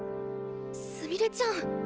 すみれちゃん。